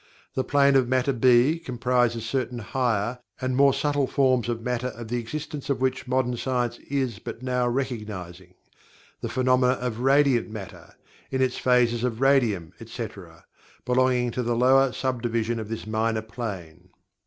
The Plane of Matter (B) comprises certain higher and more subtle forms of Matter of the existence of which modern science is but now recognizing, the phenomena of Radiant Matter, in its phases of radium, etc., belonging to the lower sub division of this Minor Plane.